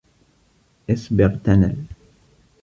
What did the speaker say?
اصبر تنل